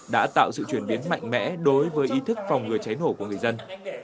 đã tạo sự chuyển biến mạnh mẽ đối với ý thức phòng ngừa cháy nổ của người dân